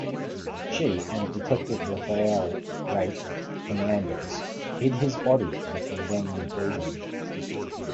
She, and Detective Raphael "Rafe" Hernandez hid his body in a condemned building.